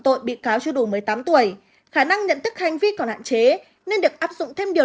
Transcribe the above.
tội bị cáo chưa đủ một mươi tám tuổi khả năng nhận thức hành vi còn hạn chế nên được áp dụng thêm điều